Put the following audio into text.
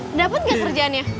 berdapat gak kerjaannya